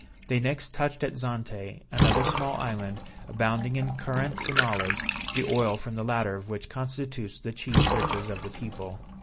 They next touched at Zante, another small island, abounding in currants and olives, the oil from the latter of which constitutes the chief riches of the people.